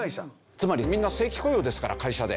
つまりみんな正規雇用ですから会社で。